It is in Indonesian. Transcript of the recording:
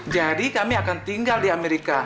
jadi kami akan tinggal di amerika